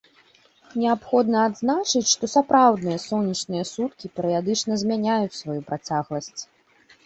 Неабходна адзначыць, што сапраўдныя сонечныя суткі перыядычна змяняюць сваю працягласць.